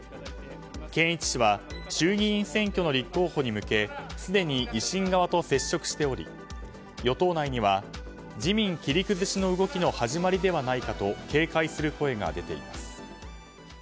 建一氏は衆議院選挙の立候補に向けすでに維新側と接触しており与党内には自民切り崩しの動きの始まりではないかと警戒する声が出ています。